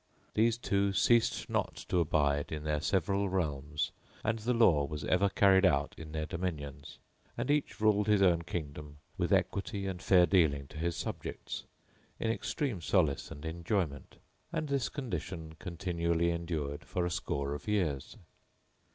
These two ceased not to abide in their several realms and the law was ever carried out in their dominions; and each ruled his own kingdom, with equity and fair dealing to his subjects, in extreme solace and enjoyment; and this condition continually endured for a score of years.